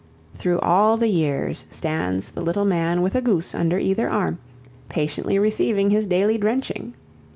Through all the years stands the little man with a goose under either arm, patiently receiving his daily drenching.